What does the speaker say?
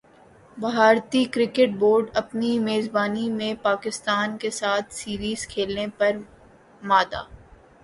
بھارتی cricket board اپنی میزبانی میں پاکستان کیساتھ سیریز کھیلنے پر مادہ